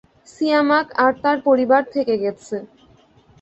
সিয়ামাক আর তার পরিবার থেকে গেছে।